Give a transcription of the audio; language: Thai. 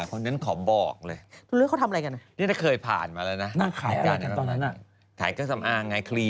คนเนี้ยอย่างนั้นขอบอกเลย